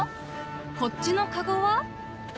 こっちのカゴは？